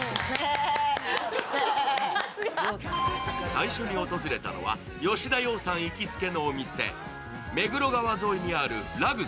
最初に訪れたのは吉田羊さん行きつけのお店、目黒川沿いにあるラグ